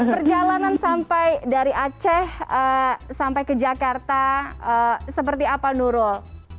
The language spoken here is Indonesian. perjalanan sampai dari aceh sampai ke jakarta seperti apa nurul